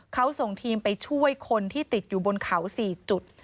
เขาส่งทีมไปช่วยคนที่ติดอยู่บนเขา๔จุด